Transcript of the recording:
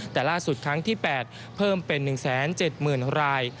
แต่ล่าสุดครั้งที่๘เพิ่มเป็น๑๗๐๐ราย